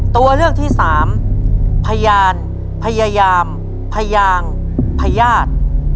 ตัวเลือกที่สามพยานพยายามพยางพญาติ